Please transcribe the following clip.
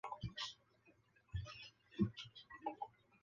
尤迦南达出生于印度戈勒克布尔一个孟加拉族家庭。